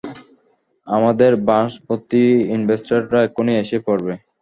আমাদের বাসভর্তি ইনভেস্টররা এক্ষুনি এসে পড়বে।